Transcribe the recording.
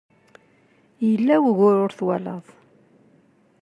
Yella wugur ur twalaḍ.